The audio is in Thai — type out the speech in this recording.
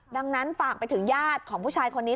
ดังนั้นฝากไปถึงญาติของผู้ชายคนนี้